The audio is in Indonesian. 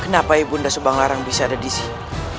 kenapa ibunda subanglarang bisa ada disini